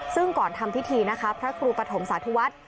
ซึ่งก่อนทำพิธีนะคะพระครูปฐมสาธุวัฒน์